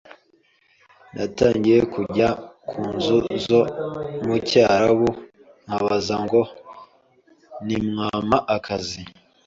natagiye kujya ku nzu zo mu Cyarabu nkabaza ngo Ntimwampa akazi?